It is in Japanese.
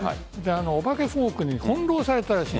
お化けフォークに翻弄されたらしい。